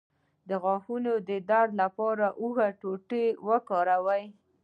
د غاښونو د درد لپاره د هوږې ټوټه وکاروئ